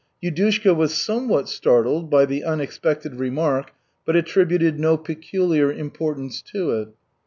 Yudushka was somewhat startled by the unexpected remark, but attributed no peculiar importance to it.